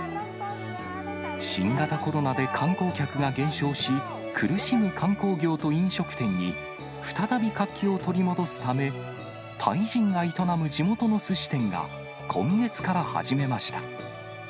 新型コロナで観光客が減少し、苦しむ観光業と飲食店に、再び活気を取り戻すため、タイ人が営む地元のすし店が今月から始めました。